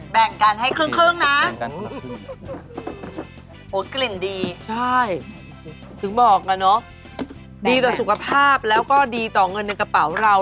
แบ่งกันให้ครึ่งนะโอ้กลิ่นดีใช่ถึงบอกอะเนาะดีต่อสุขภาพแล้วก็ดีต่อเงินในกระเป๋าเรา